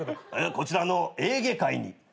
こちらのエーゲ海に。